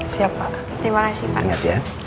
siap pak terima kasih pak